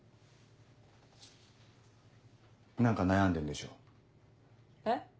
何か悩んでんでしょ？え？